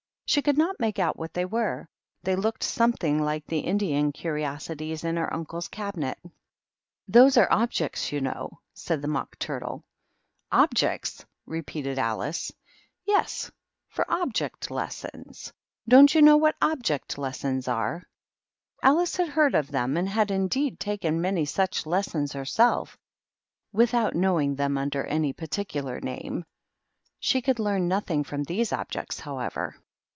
She could not make out what they were; they looked something like the Indian curiosities in her uncle's cabinet. THE MOCK TURTLE. " Those are ol^ects, you know," said the Mock Turtle. '* Of^ecis /" repeated Alice. " Yes, for object lessons. Don't you know what object lessons are?" Alice had heard of them, and had, indeed, taken many such lessons herself, without knowing them under any particular name. She could leam nothing from these objects, however.